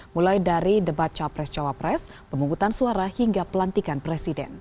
mulai dari debat capres cawapres pemungutan suara hingga pelantikan presiden